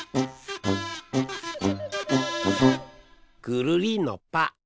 くるりんのぱ。